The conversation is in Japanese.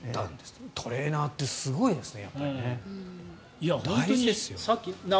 トレーナーってすごいですね。